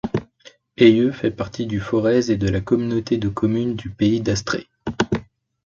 Ailleux fait partie du Forez et de la communauté de communes du Pays d'Astrée.